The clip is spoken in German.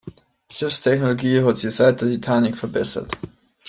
Schiffstechnologie hat sich seit der Titanic verbessert.